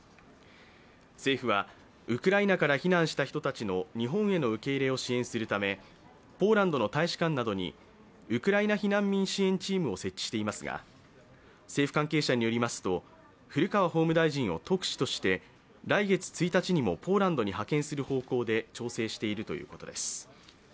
政府は、ウクライナから避難した人たちの日本への受け入れを支援するため、ポーランドの大使館などに、ウクライナ避難民支援チームを設置していますが、政府関係者によりますと、古川法務大臣を特使として来月１日にもポーランドに派遣する方向で調整しているということです。